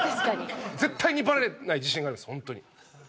絶対にバレない自信があるんですホントに。